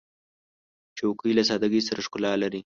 چوکۍ له سادګۍ سره ښکلا لري.